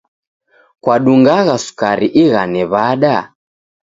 Kwadungagha sukari ighane w'ada?